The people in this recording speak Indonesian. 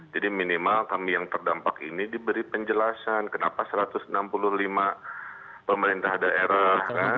jadi minimal kami yang terdampak ini diberi penjelasan kenapa satu ratus enam puluh lima pemerintah daerah